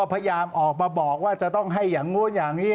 พยายามออกมาบอกว่าจะต้องให้อย่างนู้นอย่างนี้